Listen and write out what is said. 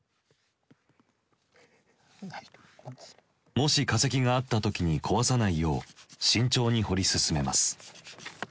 もし化石があった時に壊さないよう慎重に掘り進めます。